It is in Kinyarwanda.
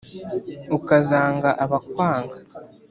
ukazanga abakwanga